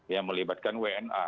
ya melibatkan wna